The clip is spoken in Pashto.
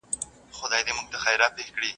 له مُسکۍ ښکلي مي خولګۍ غوښته.